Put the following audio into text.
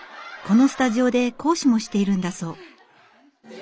このスタジオで講師もしているんだそう。